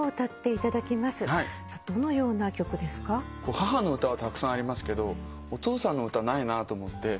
母の歌はたくさんありますけどお父さんの歌ないなと思って。